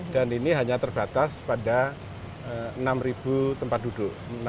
dan ini hanya terbatas pada enam tempat duduk